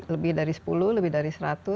lebih dari sepuluh lebih dari seratus